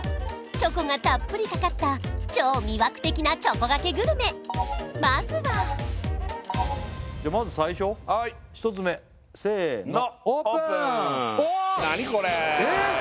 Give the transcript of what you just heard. チョコがたっぷりかかった超魅惑的なチョコがけグルメまずはまず最初１つ目せーのオープンオープンおおっえっ！？